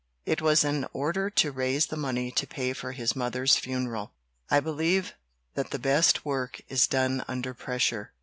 It was in order to raise the money to pay for his mother's funeral. I believe that the best work is done under pressure.